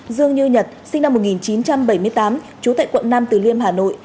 dương như nhật sinh năm một nghìn chín trăm bảy mươi tám trú tại quận nam từ liêm hà nội